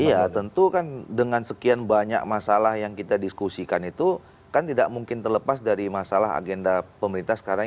iya tentu kan dengan sekian banyak masalah yang kita diskusikan itu kan tidak mungkin terlepas dari masalah agenda pemerintah sekarang